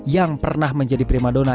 yang pernah menjadi primadona